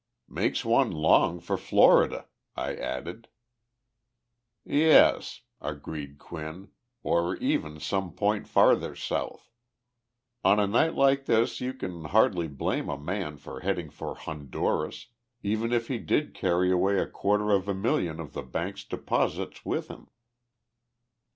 "Makes one long for Florida," I added. "Yes," agreed Quinn, "or even some point farther south. On a night like this you can hardly blame a man for heading for Honduras, even if he did carry away a quarter of a million of the bank's deposits with him."